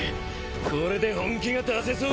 これで本気が出せそうだ。